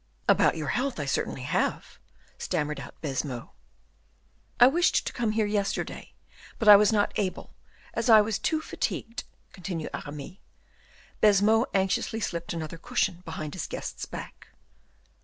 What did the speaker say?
"About your health, I certainly have," stammered out Baisemeaux. "I wished to come here yesterday, but I was not able, as I was too fatigued," continued Aramis. Baisemeaux anxiously slipped another cushion behind his guest's back.